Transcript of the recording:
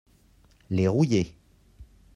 les rouillés.